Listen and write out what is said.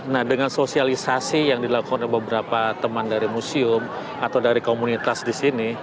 nah dengan sosialisasi yang dilakukan oleh beberapa teman dari museum atau dari komunitas di sini